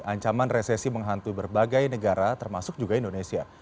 ancaman resesi menghantu berbagai negara termasuk juga indonesia